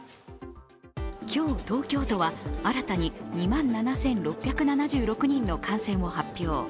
今日、東京都は新たに２万７６７６人の感染を発表。